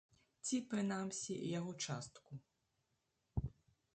Ці, прынамсі, яго частку.